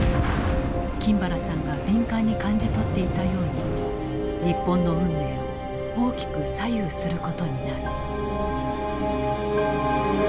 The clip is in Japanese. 金原さんが敏感に感じ取っていたように日本の運命を大きく左右することになる。